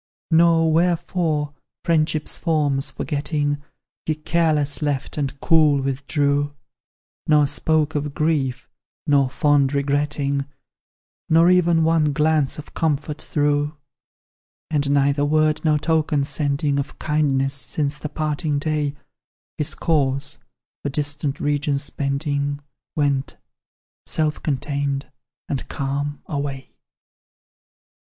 "Nor wherefore, friendship's forms forgetting, He careless left, and cool withdrew; Nor spoke of grief, nor fond regretting, Nor ev'n one glance of comfort threw. "And neither word nor token sending, Of kindness, since the parting day, His course, for distant regions bending, Went, self contained and calm, away.